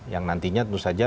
yang nantinya tentu saja